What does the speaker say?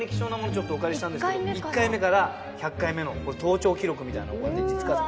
ちょっとお借りしたんですけど１回目から１００回目のこれ登頂記録みたいなもので實川さん